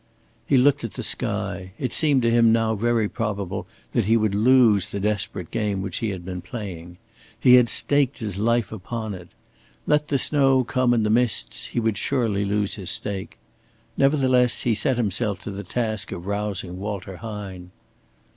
He looked at the sky. It seemed to him now very probable that he would lose the desperate game which he had been playing. He had staked his life upon it. Let the snow come and the mists, he would surely lose his stake. Nevertheless he set himself to the task of rousing Walter Hine.